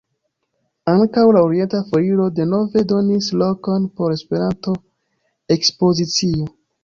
Ankaŭ la "Orienta Foiro" denove donis lokon por Espernto-ekspozicio.